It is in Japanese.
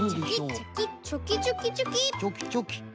チョキチョキ。